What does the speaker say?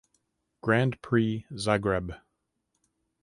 Grand Prix Zagreb.